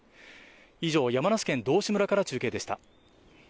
以上、山梨県道志村から中継でした。